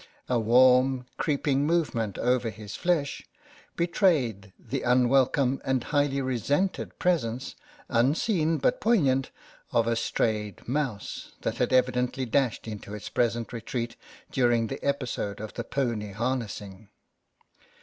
A warm, creeping movement over his flesh betrayed the unwelcome and highly resented presence, unseen but poignant, of a strayed mouse, that had evidently dashed into its present retreat during the episode of the pony harnessing.